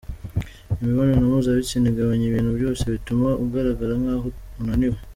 Imibonano mpuzabitsina igabanya ibintu byose bituma ugaragara nkaho unaniwe.